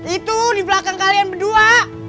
itu dibelakang kalian berdua